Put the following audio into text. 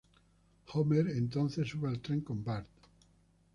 Homer, entonces, sube al tren con Bart.